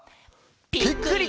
ぴっくり！